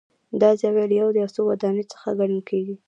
دا زاویه یو له څو ودانیو څخه ګڼل کېږي.